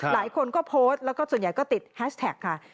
หลายคนก็โพสต์แล้วก็ส่วนใหญ่ก็ติดแฮชแท็กค่ะ